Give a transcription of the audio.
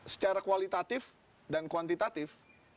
secara kualitatif dan kuantitatif